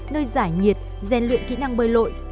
nơi giải nhiệt ghen luyện kỹ năng bơi lội